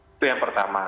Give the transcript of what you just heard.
itu yang pertama